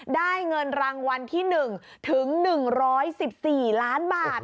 ได้เงินรางวัลที่๑ถึง๑๑๔ล้านบาท